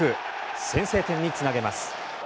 先制点につなげます。